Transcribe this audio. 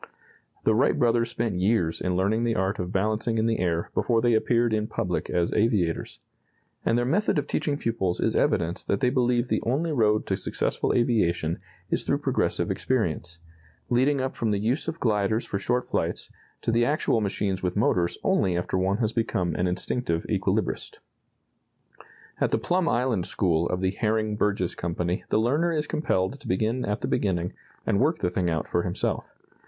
The Wright brothers spent years in learning the art of balancing in the air before they appeared in public as aviators. And their method of teaching pupils is evidence that they believe the only road to successful aviation is through progressive experience, leading up from the use of gliders for short flights to the actual machines with motors only after one has become an instinctive equilibrist. At the Plum Island school of the Herring Burgess Company the learner is compelled to begin at the beginning and work the thing out for himself.